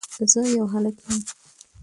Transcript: زه يو هلک يم